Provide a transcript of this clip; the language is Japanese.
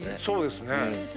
そうですね。